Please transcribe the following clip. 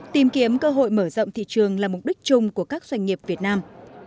tìm kiếm cơ hội mở rộng thị trường là mục đích chung của các doanh nghiệp việt nam